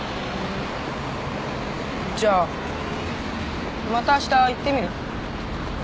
じゃあまたあした行ってみる？